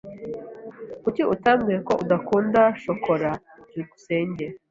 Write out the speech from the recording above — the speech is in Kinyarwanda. Kuki utambwiye ko udakunda shokora? byukusenge